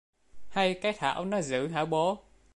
Hay Cái Thảo nó giữ hả bố